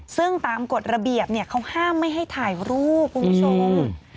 ซึ่งตามกฎระเบียบเขาห้ามไม่ให้ถ่ายรูปคุณผู้ชม